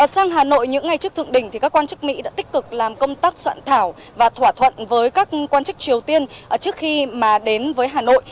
sang hà nội những ngày trước thượng đình các quan chức mỹ đã tích cực làm công tác soạn thảo và thỏa thuận với các quan chức triều tiên trước khi mà đến với hà nội